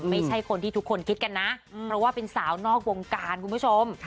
ไม่ใช่คนที่ทุกคนคิดกันนะเพราะว่าเป็นสาวนอกวงการคุณผู้ชม